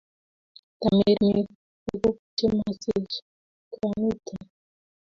tamirmirk tuguk che masish ko mamiten